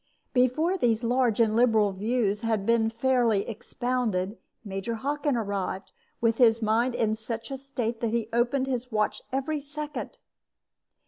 Before these large and liberal views had fairly been expounded, Major Hockin arrived, with his mind in such a state that he opened his watch every second.